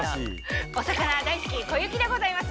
お魚大好き小雪でございます。